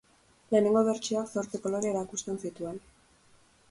Lehenengo bertsioak zortzi kolore erakusten zituen.